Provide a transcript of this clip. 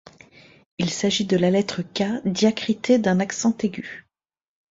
Il s'agit de la lettre K diacritée d'un accent aigu.